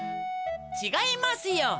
ちがいますよ。